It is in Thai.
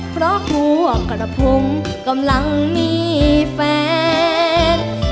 เพราะครัวกระพงกำลังมีแฟน